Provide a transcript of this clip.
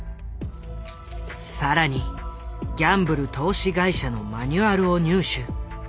更にギャンブル投資会社のマニュアルを入手。